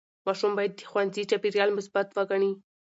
ماشوم باید د ښوونځي چاپېریال مثبت وګڼي.